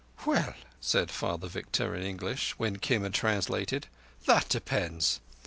"Well," said Father Victor in English, when Kim had translated, "that depends.